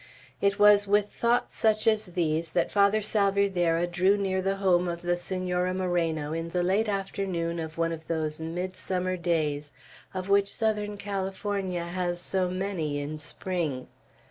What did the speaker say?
It was with thoughts such as these that Father Salvierderra drew near the home of the Senora Moreno late in the afternoon of one of those midsummer days of which Southern California has so many in spring.